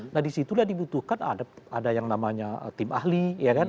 nah disitulah dibutuhkan ada yang namanya tim ahli